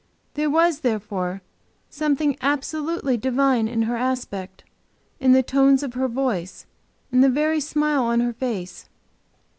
There was, therefore, something absolutely divine in her aspect, in the tones of her voice, in the very smile on her face.